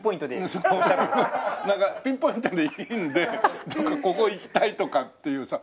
そうなんかピンポイントでいいんでどこかここ行きたいとかっていうさ。